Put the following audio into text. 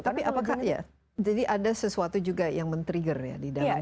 tapi apakah ya jadi ada sesuatu juga yang men trigger ya di dalamnya